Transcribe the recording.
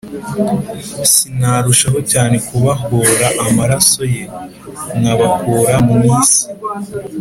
sinarushaho cyane kubahōra amaraso ye, nkabakura mu isi?”